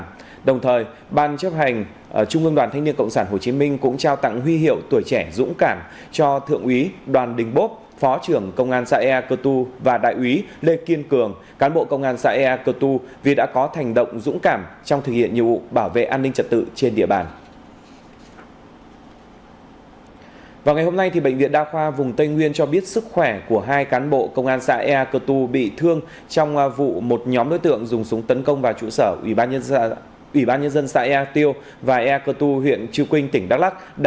cũng trong ngày hôm nay ban chấp hành trung ương đoàn thanh niên cộng sản hồ chí minh tặng huy hiệu tuổi trẻ dũng cảm đối với đại úy hà tuấn anh thiếu tá trần quốc thắng cán bộ công an xã ea tiêu huyện trừ quynh tỉnh đắk lắc